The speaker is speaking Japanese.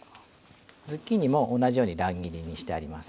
ズッキーニも同じように乱切りにしてあります。